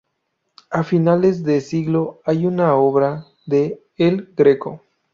A finales de siglo hay una obra de El Greco.